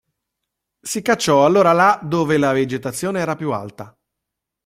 Si cacciò allora là dove la vegetazione era più alta.